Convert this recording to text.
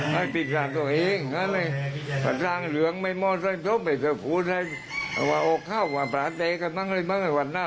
ไม่ใช่ไม่ได้ต่อยไม่ได้ต่าย